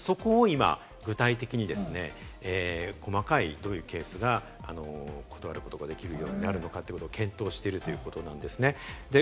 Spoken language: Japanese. そこを今、具体的に細かく、どういうケースが断ることができるようになるのかとか検討しているということなんですね。